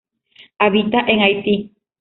Habita en Haiti.